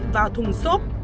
vào thùng xốp